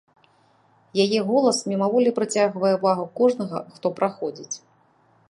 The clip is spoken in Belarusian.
Яе голас мімаволі прыцягвае ўвагу кожнага, хто праходзіць.